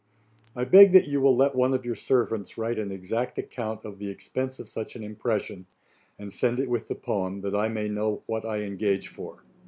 I beg that you will let one of your servants write an exact account of the expense of such an impression, and send it with the poem, that I may know what I engage for.